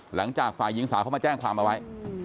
หลังจากฝ่ายหญิงสาวเขามาแจ้งความเอาไว้